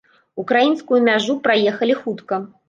Украінскую мяжу праехалі хутка.